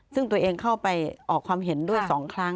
ซึ่งตัวเองเข้าไปออกความเห็นด้วย๒ครั้ง